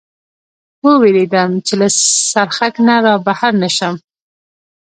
و وېرېدم، چې له څرخک نه را بهر نه شم.